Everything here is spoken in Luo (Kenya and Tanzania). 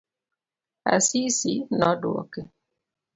Asisi noduoke.